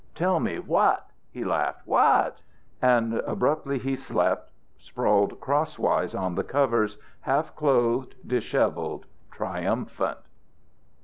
"Tell me what?" he laughed. "What?" And abruptly he slept, sprawled crosswise on the covers, half clothed, dishevelled, triumphant.